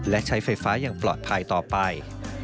และใช้ไฟฟ้าอย่างปลอดภัยต่อไป